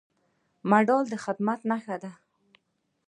مډال د خدمت نښه ده